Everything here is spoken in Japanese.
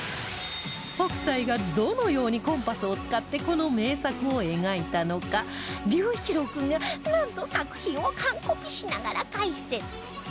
北斎がどのようにコンパスを使ってこの名作を描いたのか龍一郎君がなんと作品を完コピしながら解説